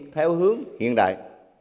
theo hướng hiện đại